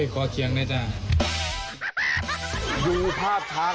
ขอเคียงหน้าปากหน่อย